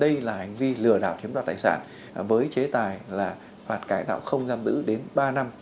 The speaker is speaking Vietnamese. đây là hành vi lừa đảo chiếm đoạt tài sản với chế tài là phạt cải tạo không giam đữ đến ba năm